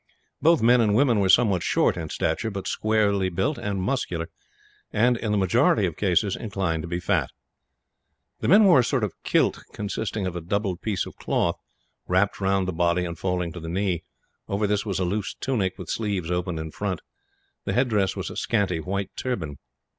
Both men and women were somewhat short in stature, but squarely built and muscular and, in the majority of cases, inclined to be fat. The men wore a sort of kilt, consisting of a double piece of cloth, wrapped round the body and falling to the knee. Over this was a loose tunic, with sleeves open in front. The headdress was a scanty white turban.